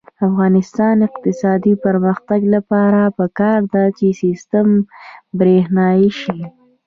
د افغانستان د اقتصادي پرمختګ لپاره پکار ده چې سیستم برښنايي شي.